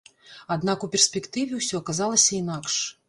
Аднак у перспектыве ўсё аказалася інакш.